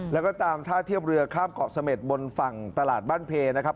แล้วก็ตามท่าเทียบเรือข้ามเกาะเสม็ดบนฝั่งตลาดบ้านเพนะครับ